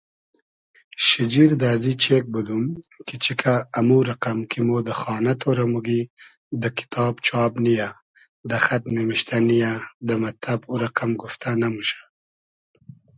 شیجیر دۂ ازی چېگ بودوم کی چیکۂ امو رئقئم کی مۉ دۂ خانۂ تۉرۂ موگی دۂ کیتاب چاب نییۂ دۂ خئد نیمیشتۂ نییۂ دۂ مئتتئب او رئقئم گوفتۂ نئموشۂ